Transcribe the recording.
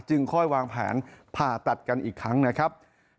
ค่อยวางแผนผ่าตัดกันอีกครั้งนะครับ